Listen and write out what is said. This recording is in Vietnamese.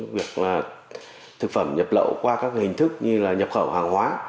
việc thực phẩm nhập lậu qua các hình thức như là nhập khẩu hàng hóa